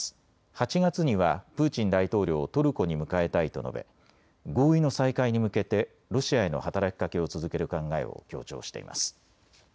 ８月にはプーチン大統領をトルコに迎えたいと述べ合意の再開に向けてロシアへの働きかけを続ける考えを強調しています。